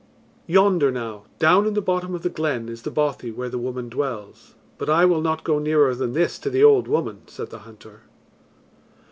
"Yonder, now, down in the bottom of the glen is the bothy where the woman dwells, but I will not go nearer than this to the old woman," said the hunter.